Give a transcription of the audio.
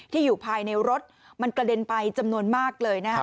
อยู่ภายในรถมันกระเด็นไปจำนวนมากเลยนะครับ